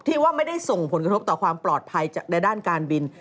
ที่ว่าไม่ได้ส่งผลกระทบต่อความปลอดภัยในด้านการบิน